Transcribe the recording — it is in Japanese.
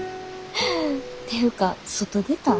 ていうか外出たん？